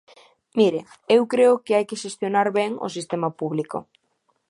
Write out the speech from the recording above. Mire, eu creo que hai que xestionar ben o sistema público.